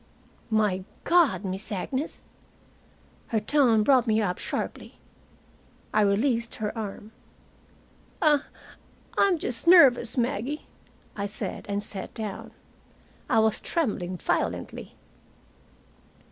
"My God, Miss Agnes!" Her tone brought me up sharply. I released her arm. "I I'm just nervous, Maggie," I said, and sat down. I was trembling violently.